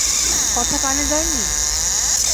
কথা কানে যায়নি?